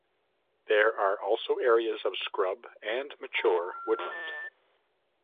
There are also areas of scrub and mature woodland.